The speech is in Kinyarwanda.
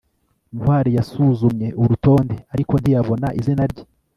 ntwali yasuzumye urutonde, ariko ntiyabona izina rye